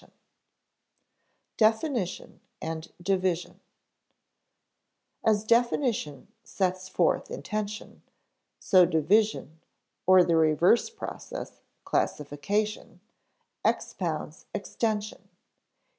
[Sidenote: Definition and division] As definition sets forth intension, so division (or the reverse process, classification) expounds extension.